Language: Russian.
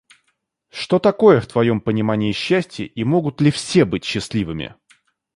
Что такое в твоем понимании счастье и могут ли все быть счастливыми?